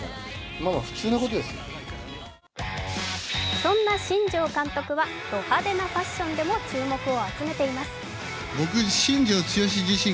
そんな新庄監督はド派手なファッションでも注目を集めています。